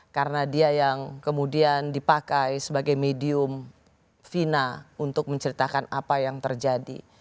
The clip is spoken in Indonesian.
karena dia yang kemudian dipakai sebagai medium fina untuk menceritakan apa yang terjadi